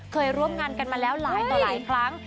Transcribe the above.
เคยร่วมงานกันมาแล้วหลายต่อหลายครั้ง